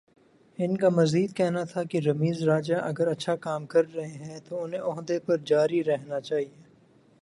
ان کا مزید کہنا تھا کہ رمیز راجہ اگر اچھا کام کررہے ہیں تو انہیں عہدے پر جاری رہنا چاہیے۔